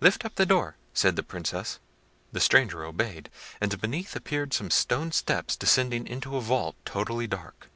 "Lift up the door," said the Princess. The stranger obeyed, and beneath appeared some stone steps descending into a vault totally dark.